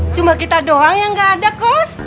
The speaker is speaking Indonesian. cuma kita doang yang gak ada kos